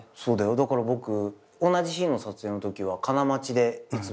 だから僕同じ日の撮影のときは金町でいつも待ち合わせて。